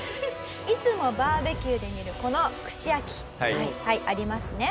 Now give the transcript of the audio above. いつもバーベキューで見るこの串焼きありますね。